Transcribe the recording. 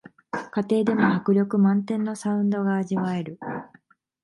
家庭でも迫力満点のサウンドが味わえる